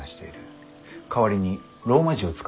代わりにローマ字を使えばいい。